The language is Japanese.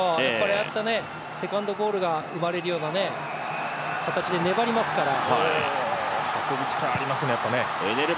ああいったセカンドボールが生まれるような形で、粘りますから。